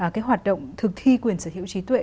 cái hoạt động thực thi quyền sở hữu trí tuệ